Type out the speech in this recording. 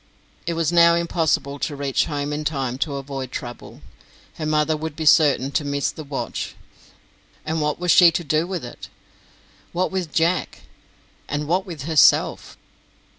It was now impossible to reach home in time to avoid trouble. Her mother would be certain to miss the watch, and what was she to do with it? What with Jack, and what with herself?